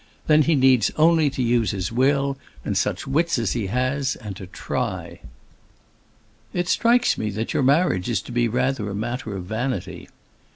Then he needs only to use his will, and such wits as he has, and to try." "It strikes me that your marriage is to be rather a matter of vanity."